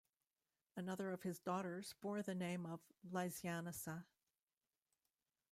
Another of his daughters bore the name of Lysianassa.